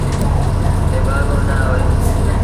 نڀآڳو نا هوئي۔